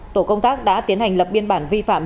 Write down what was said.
tổ công tác đã tiến hành lập biên bản vi phạm